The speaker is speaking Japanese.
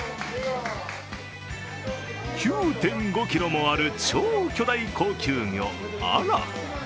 ９．５ｋｇもある超巨大高級魚アラ。